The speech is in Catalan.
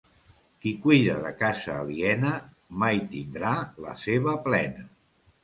Qui cuida de casa aliena mai tindrà la seva plena.